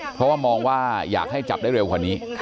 เพราะว่ามองว่าอยากให้จับได้เร็วกว่านี้